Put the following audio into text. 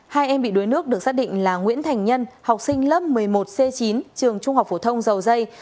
hai em bị đuối nước được xác định là nguyễn thành nhân học sinh lớp một mươi một c chín trường trung học phổ thông dầu dây